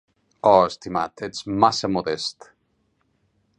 Oh, estimat, ets massa modest.